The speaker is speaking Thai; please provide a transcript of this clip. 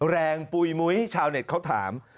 ปุ๋ยมุ้ยชาวเน็ตเขาถาม